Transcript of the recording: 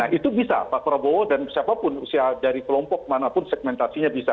nah itu bisa pak prabowo dan siapapun usia dari kelompok manapun segmentasinya bisa